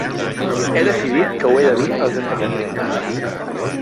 He decidit que ho he de dir als estatunidencs.